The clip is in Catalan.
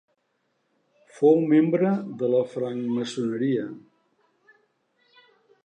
Fou membre de la francmaçoneria.